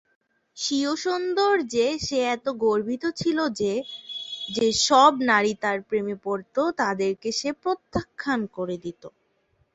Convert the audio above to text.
স্বীয় সৌন্দর্যে সে এত গর্বিত ছিল যে যে-সব নারী তার প্রেমে পড়ত তাদেরকে সে প্রত্যাখ্যান করে দিত।